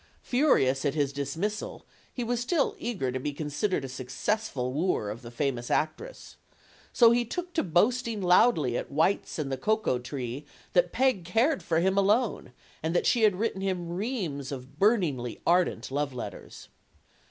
Furious at his dismissal, he was still eager to be considered a successful wooer of the famous actress. So he took PEG WOFFINGTON 47 to boasting loudly at White's and the Cocoa Tree that Peg cared for him alone, and that she had written him reams of burningly ardent love letters.